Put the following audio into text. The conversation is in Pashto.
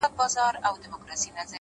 ما د مرگ ورځ به هم هغه ورځ وي-